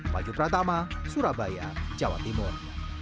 paju pratama surabaya jawa timur